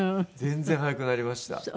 全然早くなりました。